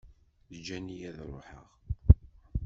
Ǧǧan-iyi ad ṛuḥeɣ.